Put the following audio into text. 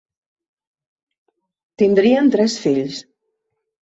Tindrien tres fills.